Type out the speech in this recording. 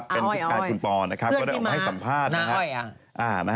เป็นพิสการคุณปอลเค้าได้ออกมาให้สัมภาษณ์